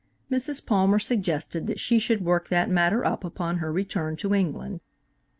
Mrs. Palmer suggested that she should work that matter up upon her return to England. LADY ABERDEEN.